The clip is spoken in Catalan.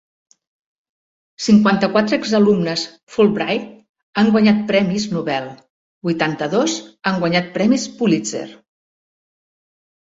Cinquanta-quatre exalumnes Fulbright han guanyat premis Nobel; vuitanta-dos han guanyat premis Pulitzer.